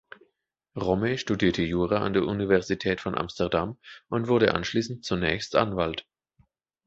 Romme studierte Jura an der Universität von Amsterdam und wurde anschließend zunächst Anwalt.